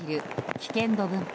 危険度分布